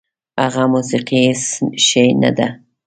هغه موسیقي هېڅ شی نه ده.